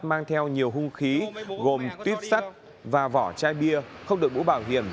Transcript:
mang theo nhiều hung khí gồm tuyết sắt và vỏ chai bia không được bủ bảo hiểm